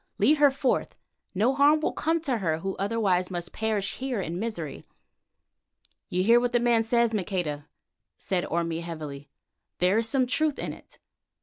Lead her forth. No harm will come to her who otherwise must perish here in misery." "You hear what the man says, Maqueda?" said Orme heavily. "There is some truth in it.